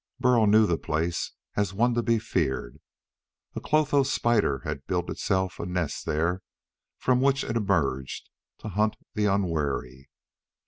Burl knew the place as one to be feared. A clotho spider had built itself a nest there, from which it emerged to hunt the unwary.